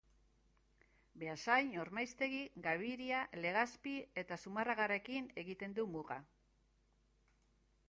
Beasain, Ormaiztegi, Gabiria, Legazpi eta Zumarragarekin egiten du muga.